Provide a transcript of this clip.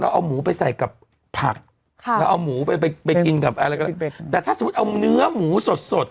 เอาหมูไปใส่กับผักค่ะแล้วเอาหมูไปไปกินกับอะไรก็แต่ถ้าสมมุติเอาเนื้อหมูสดสด